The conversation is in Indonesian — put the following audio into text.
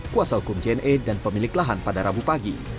kuasa hukum jne dan pemilik lahan pada rabu pagi